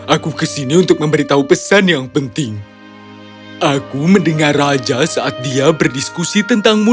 aku kesini untuk memberitahu pesan yang penting aku mendengar raja saat dia berdiskusi tentangmu